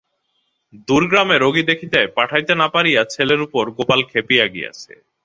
দূর গ্রামে রোগী দেখিতে পাঠাইতে না পারিয়া ছেলের উপর গোপাল খেপিয়া গিয়াছে।